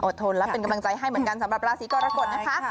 ทนและเป็นกำลังใจให้เหมือนกันสำหรับราศีกรกฎนะคะ